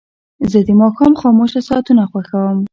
زه د ماښام خاموشه ساعتونه خوښوم.